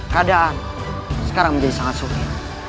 keadaan sekarang menjadi sangat sulit